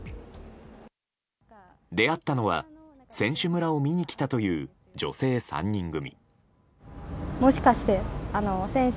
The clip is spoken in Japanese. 出会ったのは、選手村を見に来たという女性３人組。